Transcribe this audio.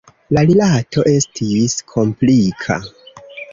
La rilato estis komplika.